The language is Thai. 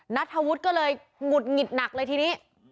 นัทธวุฒิก็เลยหงุดหงิดหนักเลยทีนี้